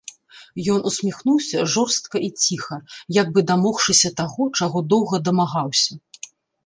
Ён усміхнуўся жорстка і ціха, як бы дамогшыся таго, чаго доўга дамагаўся.